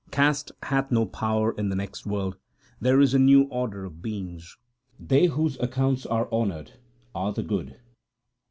Caste hath no power in the next world : there is a new order of beings. They whose accounts are honoured are the good.